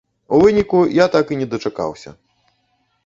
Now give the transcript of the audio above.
У выніку я так і не дачакаўся.